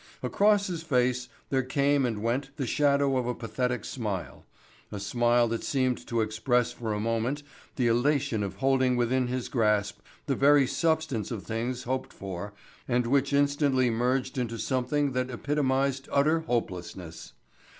Across his face there came and went the shadow of a pathetic smile, a smile that seemed to express for a moment the elation of holding within his grasp the very substance of things hoped for and which instantly merged into something that epitomized utter hopelessness.